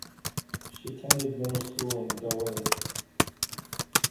She attended middle school in Dawei.